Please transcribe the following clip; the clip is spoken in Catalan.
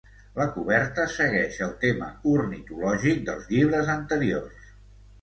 La coberta segueix el tema ornitològic dels llibres anteriors.